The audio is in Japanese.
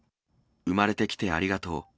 産まれてきてありがとう。